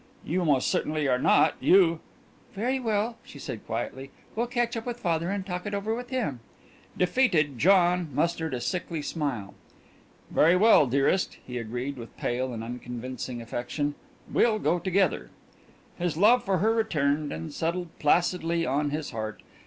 "You most certainly are not. You " "Very well," she said quietly, "we'll catch up with father and talk it over with him." Defeated, John mustered a sickly smile. "Very well, dearest," he agreed, with pale and unconvincing affection, "we'll go together." His love for her returned and settled placidly on his heart.